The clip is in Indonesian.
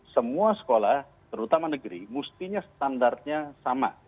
semua sekolah terutama negeri mestinya standarnya sama